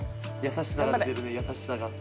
優しさが出てる優しさが。